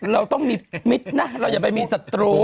เราต้องมีมิตรนะเราอย่าไปมีศัตรู